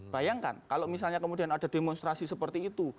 bayangkan kalau misalnya kemudian ada demonstrasi seperti itu